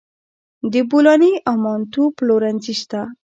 د بولاني او منتو پلورنځي شته